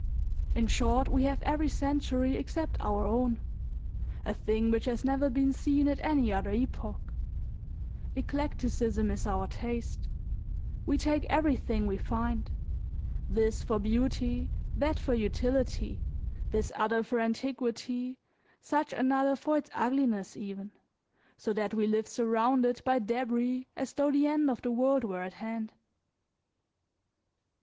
In short, we have every century except our own a thing which has never been seen at any other epoch: eclecticism is our taste; we take everything we find, this for beauty, that for utility, this other for antiquity, such another for its ugliness even, so that we live surrounded by debris as though the end of the world were at hand.